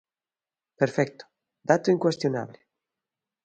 Perfecto; dato incuestionable.